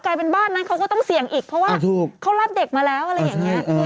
กลายเป็นบ้านนั้นเขาก็ต้องเสี่ยงอีกเพราะว่าเขารับเด็กมาแล้วอะไรอย่างนี้